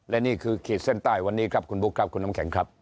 และนี่คือขีดเส้นใต้วันนี้ครับคุณบุ๊คครับคุณน้ำแข็งครับ